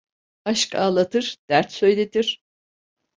Aşk ağlatır, dert söyletir.